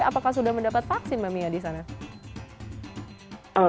apakah sudah mendapat vaksin mbak mia di sana